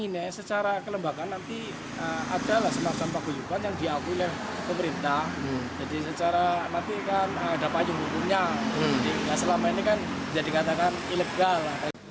nah selama ini kan jadi katakan ilegal lah